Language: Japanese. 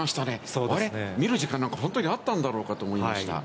見る時間なんか本当にあったんだろうか？と思いました。